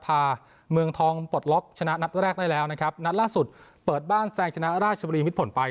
เมืองทองปลดล็อกชนะนัดแรกได้แล้วนะครับนัดล่าสุดเปิดบ้านแซงชนะราชบุรีมิดผลไป